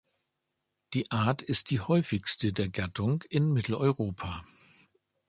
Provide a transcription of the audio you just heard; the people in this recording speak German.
Die Art ist die häufigste der Gattung in Mitteleuropa.